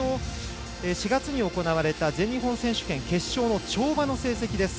４月に行われた全日本選手権決勝跳馬の成績です。